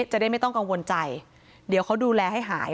จะได้ไม่ต้องกังวลใจเดี๋ยวเขาดูแลให้หาย